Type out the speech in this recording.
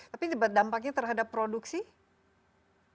tapi dampaknya terhadap produksi